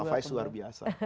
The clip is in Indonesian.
fafai luar biasa